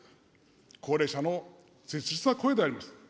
高齢者の切実な声であります。